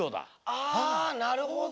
あなるほど！